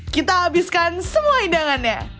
kita habiskan semua hidangannya